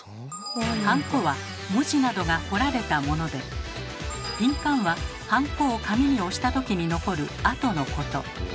ハンコは文字などが彫られたもので印鑑はハンコを紙に押した時に残る跡のこと。